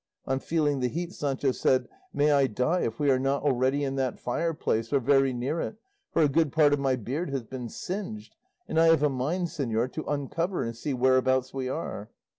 On feeling the heat Sancho said, "May I die if we are not already in that fire place, or very near it, for a good part of my beard has been singed, and I have a mind, señor, to uncover and see whereabouts we are."